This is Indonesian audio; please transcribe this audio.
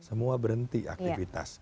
semua berhenti aktivitas